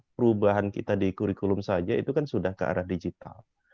perubahan kita di kurikulum saja itu kan sudah ke arah digital